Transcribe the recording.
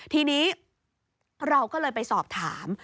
ทีนี้เราก็เลยไปสอบถาม